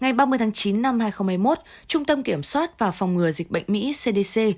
ngày ba mươi tháng chín năm hai nghìn hai mươi một trung tâm kiểm soát và phòng ngừa dịch bệnh mỹ cdc